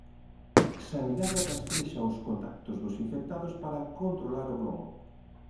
Sanidade rastrexa os contactos dos infectados para controlar o gromo.